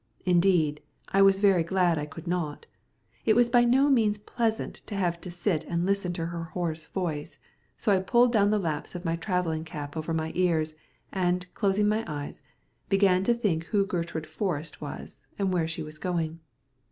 Indeed, I was very glad I could not. It was by no means pleasant to have to sit and listen to her hoarse voice, so I pulled down the laps of my travelling cap over my ears and, closing my eyes, began to think who Gertrude Forrest was, and where she was going.